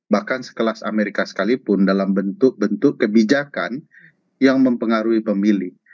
bahkan sekelas amerika sekalipun dalam bentuk bentuk kebijakan yang mempengaruhi pemilih